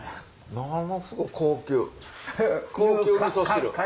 ものすごく高級高級みそ汁。